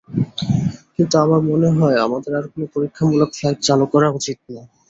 কিন্তু আমার মনে হয়, আমাদের আর কোনো পরীক্ষামূলক ফ্লাইট চালু করা উচিত না।